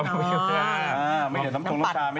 น้ำอ๋อน้ำหาว